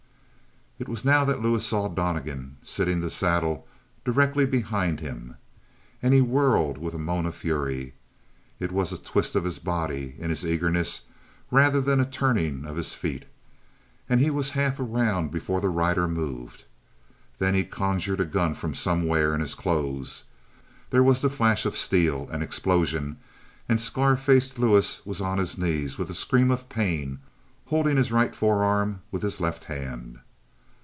It was now that Lewis saw Donnegan sitting the saddle directly behind him, and he whirled with a moan of fury. It was a twist of his body in his eagerness rather than a turning upon his feet. And he was half around before the rider moved. Then he conjured a gun from somewhere in his clothes. There was the flash of the steel, an explosion, and Scar faced Lewis was on his knees with a scream of pain holding his right forearm with his left hand.